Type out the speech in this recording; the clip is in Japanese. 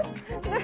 何？